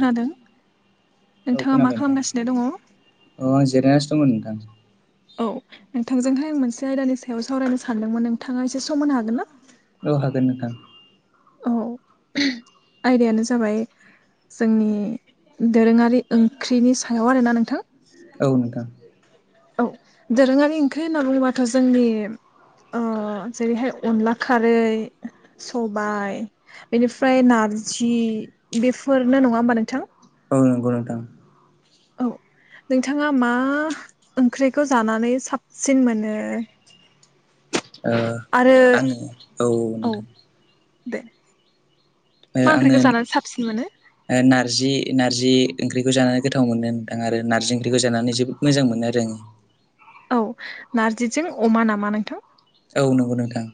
खोनादों नोंथाङा मा खालामगासिनो दङ? अ आं जिरायनासो दङ नोंथां औ नोंथाजोंहाय आं मोनसे आयदानि सायाव सावरायनो सानदोंमोन नोंथाङा एसे सम होनो हागोन ना औ हागोन नोंथां औ आयदायानो जाबाय जोंनि दोरोङारि ओंख्रिनि सायाव आरोना नोंथां औ नोंथां औ दोरोङारि ओंख्रि होनना बुङोबाथ' जोंनि अ जेरैहाय अनला खारै सबाय बेनिफ्राय नारजि बेफोरनो नङा होमबा नोंथां औ नंगौ नोंथां औ नोंथाङा मा ओंख्रिखौ जानानै साबसिन मोनो ओ आरो आङो औ औ नोथां दे ओ मा आङो ओंख्रिखौ जानानै साबसिन मोनो ओ नारजि नारजि ओंख्रिखौ जानानै गोथाव मोनो नोंथां आरो आरो नारजि ओंख्रिखौ जानानै जोबोद मोजां मोनो आरो आङो औ नारजिजों अमा नामा नोंथां औ नंगौ नोंथां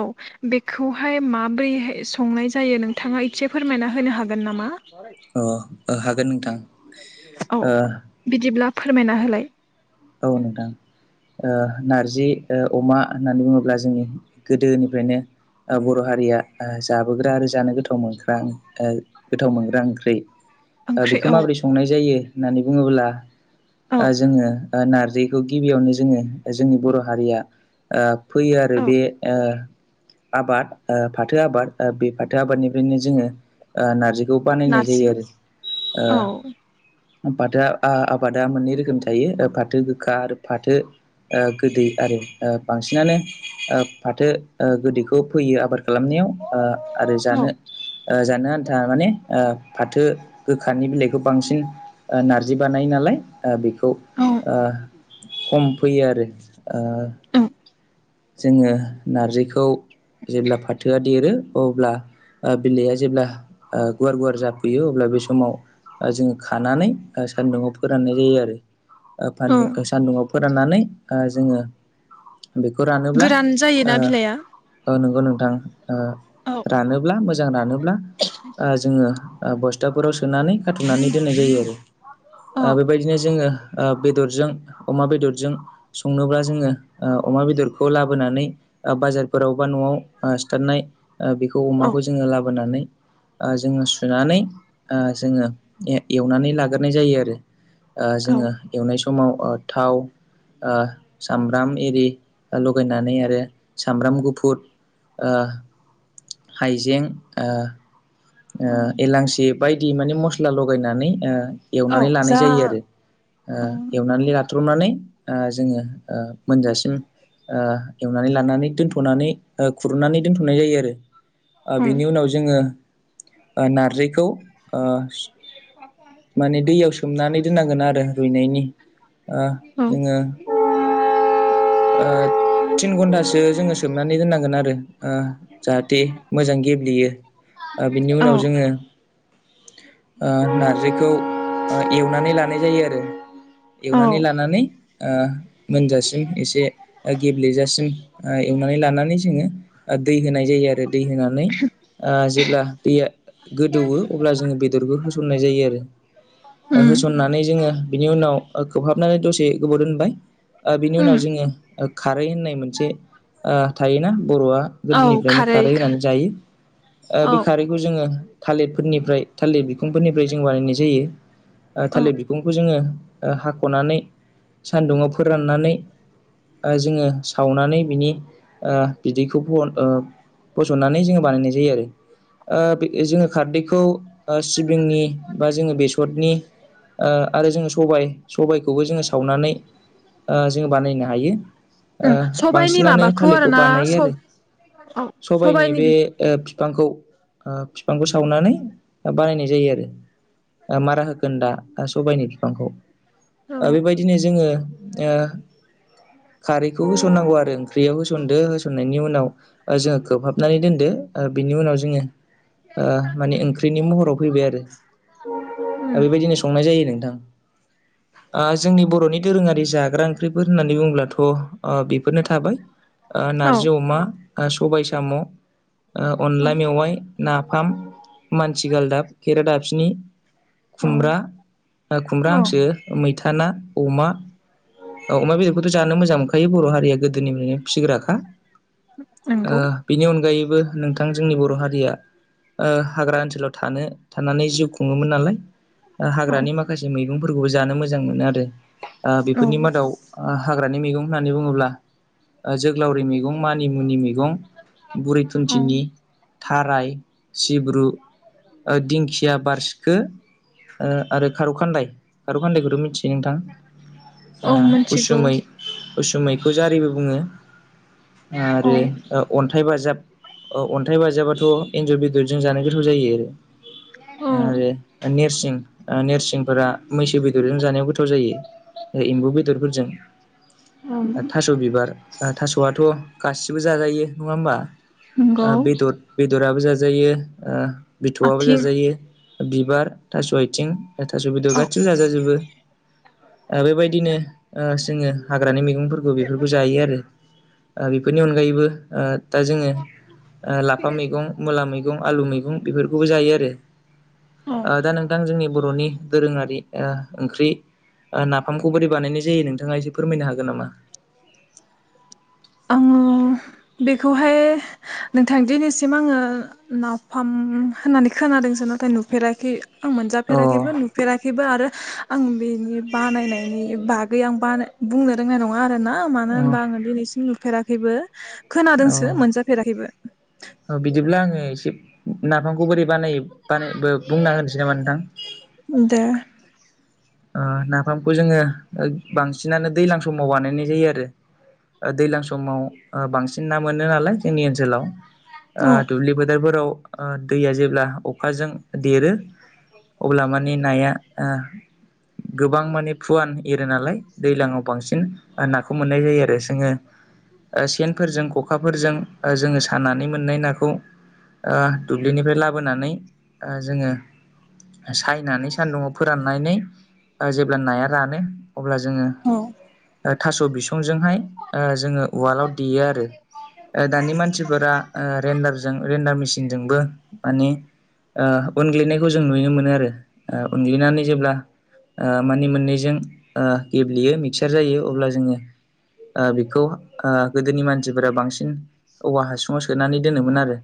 औ बेखौहाय माब्रैहाय संनाय जायो नोंथाङा एसे फोरमायना होनो हागोन नामा अ ओ हागोन नोंथां औ ओ बिदिब्ला फोरमायना होलाय औ नोंथां ओ नारजि ओ अमा होननानै बुङोब्ला जोंनि गोदोनिफ्रायनो ओ बर' हारिया ओ जाबोग्रा आरो जानो गोथाव मोनग्रा ओ गोथाव मोनग्रा ओंख्रि ओ ओंख्रि बेखौ औ माबोरै संनाय जायो होननानै बुङोब्ला औ ओ जोङो ओ नारजिखौ गिबियावनो जोङो ओ जोंनि बर' हारिया ओ फैयो आरो औ बे ओ आबाद ओ फाथो आबाद बे फाथो आबादनिफ्रायनो जोङो ओ नार्जिखौ बानायनाय नारजि जायो आरो ओ औ आबादा आ आबादा मोननै रोखोमनि थायो ओ फाथो गोखा आरो फाथो ओ गोदै आरो ओ बांसिनानो ओ फाथो ओ गोदैखौ फोयो आबाद खालामनायाव ओ आरो औ जानो ओ जानो आन्था माने ओ फाथो गोखानि बिलाइखौ बांसिन ओ नारजि बानाय नालाय ओ बेखौ औ ओ खम फोयो आरो ओ उम जोङो नारजिखौ जेब्ला फाथोआ देरो अब्ला ओ बिलाया जेब्ला ओ गुवार गुवार जाफैयो अब्ला बे समाव ओ जोङो खानानै ओ सान्दुंङाव फोराननाय जायो आरो। ओ औ फानदु-सान्दुंङाव फोराननानै जोङो फोरानोब्ला गोरान ओ जायोना बिलाइआ ओ नोंगौ नोंथां ओ औ रानोब्ला मोजां रानोब्ला ओ जोङो ओ बस्थाफोराव सोनानै खाथुमनानै दोननाय जायो आरो। औ ओ बेबायदिनो जोङो ओ बेदरजों अमा बेदरजों संनोब्ला जोङो ओ अमा बेदरखौ लाबोनानै ओ बाजारफोराव बा न'आव ओ सिथारनाय ओ बेखौ औ अमाखौ जोङो लाबोनानै ओ जोङो सुनानै ओ जोङो ए-एवनानै लाग्रोनाय जायो आरो। ओ जोङो औ एवनाय समाव ओ थाव ओ सामब्राम इरि लगायनानै आरो सामब्राम गुफुर ओ हाइजें ओ ओ एलांसि बायदि माने मस्ला लगायनानै ओ औ एवनानै जा जायो आरो। औ ओ एवनानै लाथ्रमनानै ओ जोङो ओ मोनजासिम ओ एवनानै लानानै दोन्थ'नानै ओ खुरुननानै दोन्थ'नाय जायो आरो। ओ औ बेनि उनाव जोङो ओ नारजिखौ ओ माने दैयाव सोमनानै दोननांगोन आरो रुइनायनि। ओ औ जोङो टिन घन्टासो सोमनानै दोननांगोन आरो ओ जाहाथे मोजां गेब्लेयो। ओ बिनि औ उनाव जोङो ओ नारजिखौ ओ एवनानै लानाय जायो आरो औ एवनानै लानानै ओ मोनजासिम एसे ओ गेब्लेजासिम ओ एवनानै लानानै जोङो ओ दै होनाय जायो आरो दै होनानै ओ जेब्ला दैया गोदौवो अब्ला जोङो बेदरखौ होसननाय जायो आरो ओ उम होसननानै जोङो बिनि उनाव ओ खोबहाबनानै दसे गोबाव दोनबाय ओ बिनि उम उनाव जोङो ओ खारै होननाय मोनसे ओ थायोना बर'आ गोदोनिफ्रायनो खारै होनानै जायो ओ बे औ खारै बेखौ जोङो थालिरफोरनिफ्राय थालिर बिखुंफोरनिफ्राय जों बानायनाय जायो। ओ औ थालिर बिखुंखौ जोङो ओ हाख'नानै सानदुंयाव फोराननानै ओ जोङो सावनानै बिनि ओ बिदैखौ ब-ओ बसरनानै जोङो बानायनाय जायो आरो। ओ जोङो खारदैखौ ओ सिबिंनि बा जोङो बेसरनि ओ आरो जोङो सबायाइ सबाइखौबो जोङो सावनानै ओ जोङो बानायनो हायो। ओ ओं सबाइनि बांसिनानो माबाखौ थालिरखौ आरोना बानायो सब आरो औ सबायनि सबाइनि बे बि ओ फिफांखौ ओ फिफांखौ सावनानै बानायनाय जायो आरो। ओ मारा होगोन दा ओ सबायनि बिफांखौ औ ओ बेबायदिनो जोङो ओ खारैखौ होसननांगौ आरो ओंख्रियाव होसनदो होसननायनि उनाव ओ जोंङो खोबहाब। नानै दोनदो आरो बिनि उनाव जोंङो ओ माने ओंख्रिनि महराव फैबाय आरो दा उम बेबायदिनो संनाय जायो नोंथां ओ जोंनि बर'नि दोरोंङारि जाग्रा ओंख्रिफोर होननानै बुंङोब्लाथ' थ'ओ बेफोरनो थाबाय ओ औ नारजि अमा ओ सबाय साम' ओ औ अनला मेवाइ नाफाम मानसिगालदाब खेरा दाफिनि औ खुमब्रा ओ खुमब्रा औ हांसो मैथा ना अमा औ अमा बेदरखौथ' जानो मोजां मोनखायो बर' हारिया गोदोनिफ्रायनो फिग्राखा। नंगौ ओ बिनि अनगायैबो नोंथां जोंनि बर' हारिया ओ हाग्रा ओनसोलाव थानो थानानै जिउ खुङोमोन नालाय ओ औ हाग्रानि माखा माखासे मैगंफोरखौबो जानो मोजां मोनो आरो औ बेफोरनि मादाव ओ हाग्रानि मैगं होननानै बुंओब्ला ओ जोग्लावरि मैगं मानिमुनि मैगं गं बुरै औ थुनथिनि थाराय सिब्रु ओ दिंखिया बारसिखो ओ आरो खारौखान्दाय खारौखान्दायखौथ' मिथियो नोंथां [inaudible] ओ मिथिगौ उसुमै उसुमैखौ जारिबो बुंङो। औ आरो अन्थाइ बाजाब अ अन्थाइ बाजाबाथ' एन्जर बेदरजों जानो गोथाव जायो औ आरो नेरसिं नेरसिंफोरा मैसो बेदरजों जानायाव गोथाव जायो। एम्बु बेदरफोरजों ओ औ थास' थास' बिबार थास'आथ' गासिबो जाजायो नंङा होमबा ओ नंगौ बेदर बेदराबो जाजायो ओ बिथौआबो आथिं जाजायो बिबार थास'आइथिं थास' बेदर औ गासिबो जाजाजोबो ओ बेबायदिनो ओ जोंङो हाग्रानि मैगंफोरखौ बेफोरखौ जायो आरो। ओ बेफोरनि अनगायैबो ओ दा जोंङो ओ लाफा मैगं मुला मैगं आलु मैगं बेफोरखौबो जायो आरो। औ ओ दा नोंथां जोंनि बर'नि दोरोंङारि ओ ओंख्रि ओ नाफामखौ बोरै बानायनाय जायो नोंथांङा एसे फोरमायनो हागोन नामा? आं बेखौहाय नोंथां दिनैसिम आंङो नाफाम होननानै खोनादोंसो नाथाय नुफेराखै। आं अ मोनजाफेराखैबो नुफ फेराखैबो आरो आं बेनि बानायनायनि बागै आं बानाय बुंनो रोंनाय नंङा आरोना ओ मानो होनबा आंङो दिनैसिम नुफेराखैबो खोनादोंसो मोनजाफेराखैबो। औ बिदिब्ला आंङो एसे नाफामखौ बोरै बानायो बानाय बो बुंना होनोसै नामा नोंथां दे ओ नाफामखौ जोंङो ओ बांसिनानो दैलां समाव बानायनाय जायो आरो। ओ दैलां समाव ओ बांसिन ना मोनो नालाय जोंनि ओनसोलाव ओ औ दुब्लि फोथोरफोराव ओ दैया जेब्ला अखाजों देरो अब्ला माने नाया ओ गोबां माने फुवान एरो नालाय दैलांङाव बांसिन ओ नाखौ मोननाय जायो आरो। जोंङो ओ सेनफोरजों खखाफोरजों ओ जोंङो सानानै मोननाय नाखौ ओ दुब्लिनिफ्राय लाबोनानै ओ जोंङो सायनानै सानदुंङाव फोराननानै ओ जेब्ला नाया रानो अब्ला जोङो औ थास' बिसंजोंहाय जोङो उवालाव देयो आरो। ओ दानि मानसिफोरा ओ रेन्डारजों रेन्डार मेसिनजोंबो मानि ओ उनग्लिनायखौ जों नुयो मोनो आरो उनग्लिनानै जेब्ला ओ मानि मोननैजों ओ गेब्लेयो मिक्सार जायो अब्ला जोङो ओ बेखौ गोदोनि मानसिफोरा बांसिन औवा हासुङाव सोनानै दोनोमोन आरो।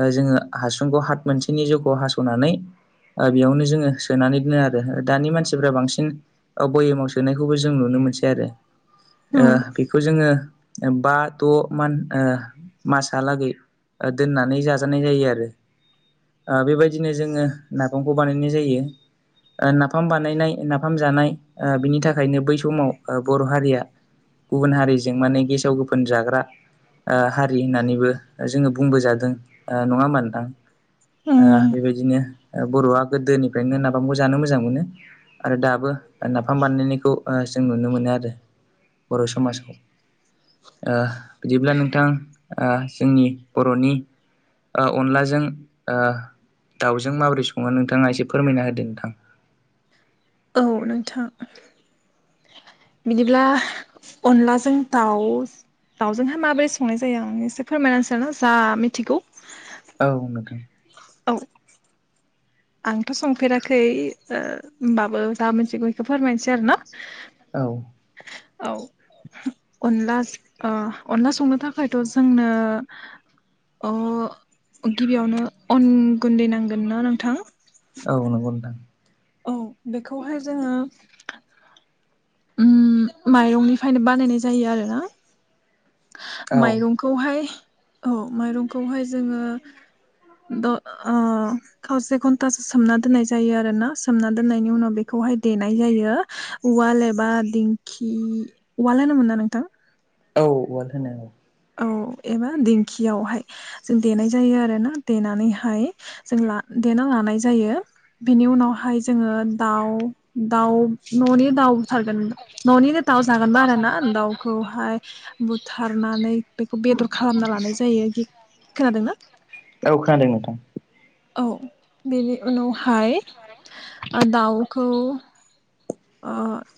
ओ जोङो हासुंखौ हाथ मोनसेनि जख' हास'नानै ओ बेयावनो जोङो सोनानै दोनो आरो। दानि मानसिफ्रा बांसिन ओ भयेमाव सोनायखौबो नुनो मोनसै आरो। ओ उम बेखौ जोङो बा द' मान ओ मासहालागै ओ दोननानै जाजानाय जायो आरो। ओ बेबायदिनो जोङो नाफामखौ बानायनाय जायो ओ नाफाम नाफाम बानायनाय नाफाम जानाय ओ बिनि थाखायनो बै समाव ओ बर' हारिया गुबुन हारिजों माने गेसाव गोफोन जाग्रा ओ हारि लि होननानैबो जों बुंबोजादों ओ नङा होमबा नोंथां ओ उम बेबाय दिनो बर'आ गोदोनिफ्रायनो नाफामखौ जानो मोजां मोनो। आरो दाबो नाफाम बानायनायखौ ओ जों नुनो मोनो आरो। बर' समाजाव। ओ बिदिब्ला नोंथां ओ जोंनि बर'नि ओ अनलाजों दाउजों माबोरै सङो नोंथाङा एसे फोरमायना होदो नोंथां। औ नोंथां। बिदिब्ला अनलाजों दाउ दाउजोंहाय माबोरै संनाय जायो आं एसे फोरमायना होनोसैना जा मिथिगौ। औ नोथां। औ। आंथ' संफेराखै ओ होमबाबो जा मिनथिगौ बेखौ फोरमायनोसै आरो न। औ। औ। अनला ओ अनला संनो थाखायथ' जोंनो अ गिबियावनो अन गुन्दै नांगोन ना नोंथां? औ नंगौ नोंथां। औ बेखौहाय जोङो उम माइरंनिफ्रायनो बानायनाय जायो आरोना औ माइरं खौहाय औ माइरंखौहाय जोङो द ओ खावसे घन्टासो सोमना दोननाय जायो आरो ना सोमना दोननायनि उनाव बेखौहाय देनाय जायो उवाल ए बा दिंखि उवाल होनोमोनना नोंथां? औ उवाल होनो। औ एबा दिंखियावहाय। जों देनाय जायो आरोना देनानैहाय जों ला देना लानाय जायो। बेनि उनावहाय जोङो दाउ दाउ न'निनो दाउ बुथारगोन न'निनो दाउ जागोनबा आरो ना दाउखौहाय बुथारनानै बेखौ बेदर खालामना लानाय जायो गि खोनादोंना? औ खोनादों नोंथां। औ बेनि उनावहाय ओ दाउखौ ओ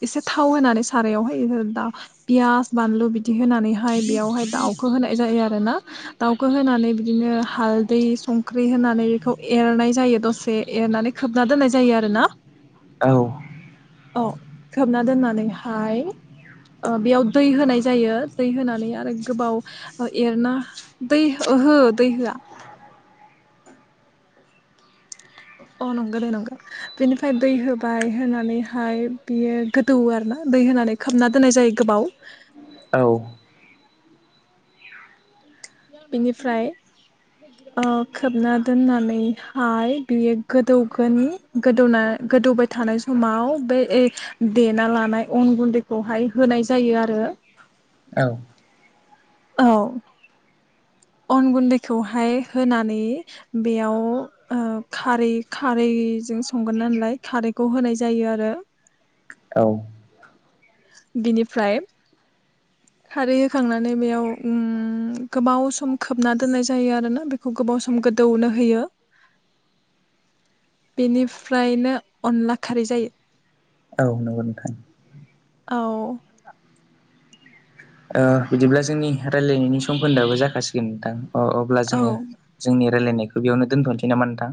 एसे थाव होनानै सारायावहाय ओ दा पियास बानलु बिदि होनानै हाय बेयावहाय दाउखो होनाय जायो आरो ना। दाउखो होनानै बिदिनो हालदै संख्रि होनानै इखौ एरनाय जायो दसे एरनानै खोबना दोननाय जायो आरो ना। औ। अ खोबना दोननानैहाय ओ बेयाव दै होनाय जायो दै होनानै आरो गोबाव ओ एरना दै ओहो दै होआ। अ नंगो दे नंगो। बेनिफ्राय दै होबाय होनानैहाय बियो गोदौ आरो ना दै होनानै खोबना दोननाय जायो गोबाव। औ। बिनिफ्राय ओ खोबना दोननानैहाय बियो गोदौगोन गोदौना गोदौबाय थानाय समाव बे ए देना लानाय अन गुन्दैखौहाय होनाय जायो आरो। औ। औ। अन गुनदैखौहाय होनानै बेयाव ओ खारै खारैजों संगोन नालाय खारैखौ होनाय जायो आरो। औ। बिनिफ्राय खारै होखांनानै बेयाव उम गोबाव सम खोबना दोननाय जायो आरोना बेखौ गोबाव सम गोदौनो होयो। बेनिफ्रायनो अनला खारै जायो। औ नंगौ नोंथां औ। ओ बिदिब्ला जोंनि रायलायनायनि सममोन्दोआबो जाखासिगोन नोंथां अ अब्ला जोङो औ जोंनि रायलायनायखौ बेयावनो दोनथ'नोसै नामा नोंथां?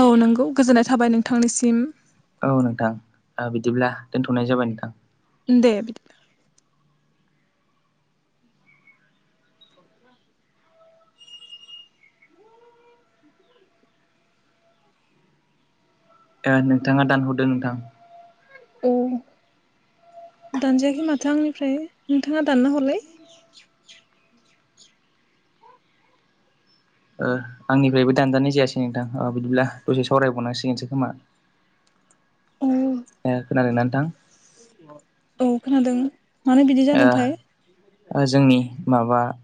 औ नंगौ गोजोननाय थाबाय नोंथांनिसिम। औ नोंथां ओ बिदिब्ला दोनथ'नाय जाबाय नोंथां। दे बिद [inaudible] दा नोंथाङा दानहरदो नोंथां। अ दानजायाखै माथो आंनिफ्राय नोंथाङा दानना हरलाय। ओ आंनिफ्रायबो दानजानाय जायासै नोंथां ओ बिदिब्ला दसे सावरायबावनांसिगोनसो खोमा। [inaudible] ओ खोनादोंना नोंथां? औ खोनादों। मानो बिदि ओ जादोंथाय ओ जोंनि माबा